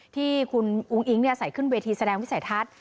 ที่คุณอุ้งอิ๊งใส่ขึ้นเวทีแสดงวิสัยทัศน์